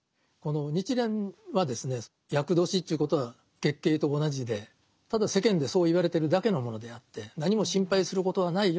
日蓮は厄年ということは月経と同じでただ世間でそう言われてるだけのものであって何も心配することはないよと。